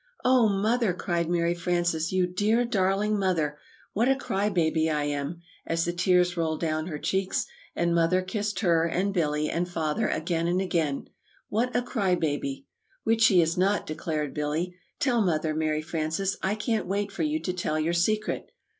"Oh, Mother!" cried Mary Frances; "you dear, darling Mother! What a 'cry baby' I am!" (as the tears rolled down her cheeks, and Mother kissed her and Billy and Father again and again) "What a 'cry baby!'" "Which she is not!" declared Billy. "Tell Mother, Mary Frances, I can't wait for you to tell your secret!"